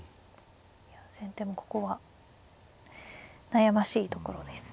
先手もここは悩ましいところですね。